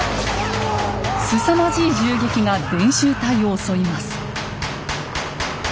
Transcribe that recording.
すさまじい銃撃が伝習隊を襲います。